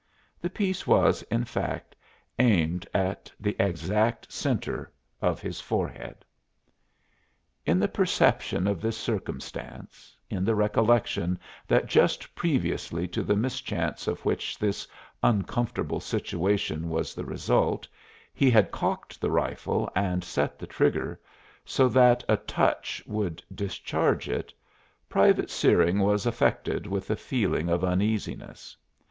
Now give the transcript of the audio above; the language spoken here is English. The piece was, in fact, aimed at the exact centre of his forehead. In the perception of this circumstance, in the recollection that just previously to the mischance of which this uncomfortable situation was the result he had cocked the rifle and set the trigger so that a touch would discharge it, Private Searing was affected with a feeling of uneasiness.